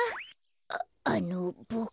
ああのボク。